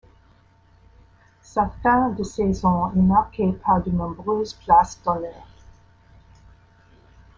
Sa fin de saison est marquée par de nombreuses places d'honneur.